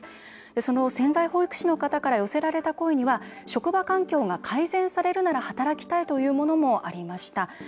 その潜在保育士の方から寄せられた声には職場環境が改善されるなら働きたいというものもありました。